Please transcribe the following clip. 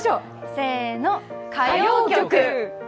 せーの、歌謡曲！